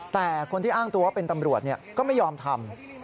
แต่คนที่อ้างตัวว่าเป็นตำรวจก็ไม่ยอมทำ